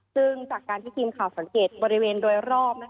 ซึ่งจากการที่ทีมข่าวสังเกตบริเวณโดยรอบ